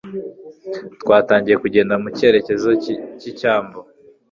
Twatangiye kugenda mu cyerekezo cy'icyambu.